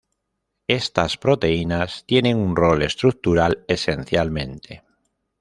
Estas proteínas tienen un rol estructural esencialmente.